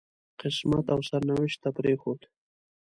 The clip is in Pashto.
قسمت او سرنوشت ته پرېښود.